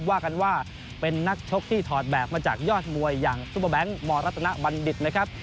ว่ากันว่าเป็นนักชกที่ถอดแบบมาจากยอดมวยอย่างซุปเปอร์แบงค์มรัตนบัณฑิตนะครับ